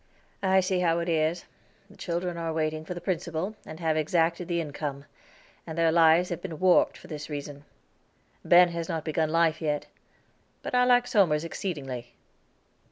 "I see how it is. The children are waiting for the principal, and have exacted the income; and their lives have been warped for this reason. Ben has not begun life yet. But I like Somers exceedingly."